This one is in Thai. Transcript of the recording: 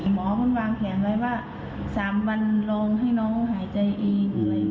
หมอมันวางแผงกับว่าสามวันลงให้น้องหายใจอีก